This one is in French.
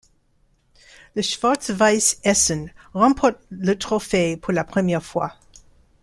Le Schwarz-Weiß Essen remporte le trophée pour la première fois.